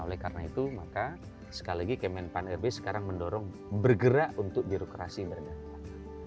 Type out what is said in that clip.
oleh karena itu maka sekali lagi kemenpan rb sekarang mendorong bergerak untuk birokrasi berdampak